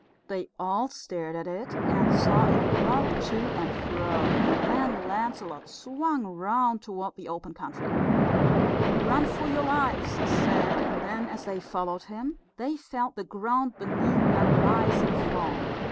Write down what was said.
They all stared at it, and saw it rock to and fro; and then Lancelot swung round toward the open country. "Run for your lives," he said, and then, as they followed him, they felt the ground beneath them rise and fall.